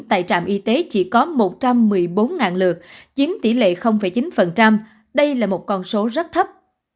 tại trạm y tế chỉ có một trăm một mươi bốn lượt chiếm tỷ lệ chín đây là một con số rất thấp